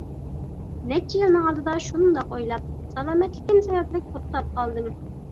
نەچچە يىلنىڭ ئالدىدا شۇنداق ئويلاپ، سالامەتلىكىم سەۋەبلىك توختاپ قالدىم.